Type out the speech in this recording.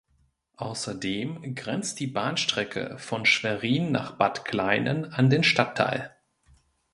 Außerdem grenzt die Bahnstrecke von Schwerin nach Bad Kleinen an den Stadtteil.